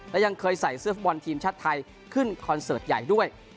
และยังเคยใส่เสื้อฟุตบอลทีมชาติไทยขึ้นคอนเสิร์ตใหญ่ด้วย